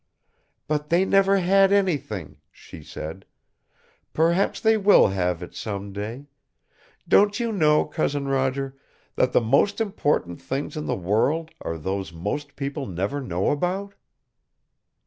"But they never had anything," she said. "Perhaps they will have it, some day. Don't you know, Cousin Roger, that the most important things in the world are those most people never know about?"